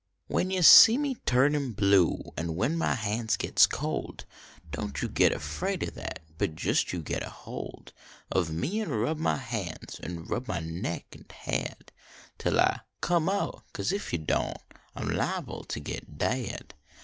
When you see me turnin blue An when my hands gits cold, Don t you git afraid o that. But jes you git a hold Of me, an rub my hands Nd rub my neck nd head Till I "come out" cause if you don t I m li ble to git dead.